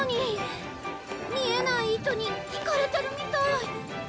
見えない糸に引かれてるみたい。